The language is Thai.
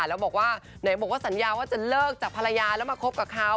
แล้วก็บอกว่าอย่างเมื่อบอกว่าสัญญาว่าจะเลิกจากผลายาแล้วมาคบกับเขา